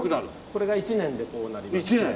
これが１年でこうなりますね。